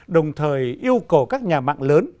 đồng thời yêu cầu các nhà mạng lớn